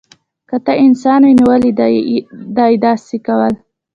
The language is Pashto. که ته انسان وای نو ولی دی داسی کول